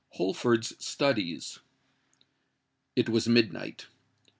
HOLFORD'S STUDIES. It was midnight.